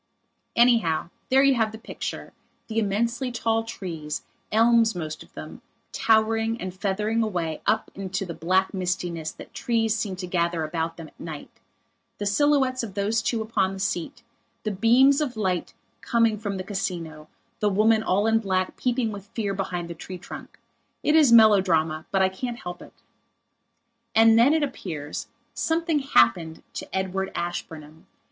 Anyhow, there you have the picture, the immensely tall trees, elms most of them, towering and feathering away up into the black mistiness that trees seem to gather about them at night; the silhouettes of those two upon the seat; the beams of light coming from the Casino, the woman all in black peeping with fear behind the tree trunk. It is melodrama; but I can't help it. And then, it appears, something happened to Edward Ashburnham.